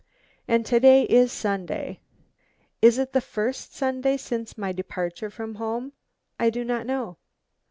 And to day is Sunday is it the first Sunday since my departure from home? I do not know.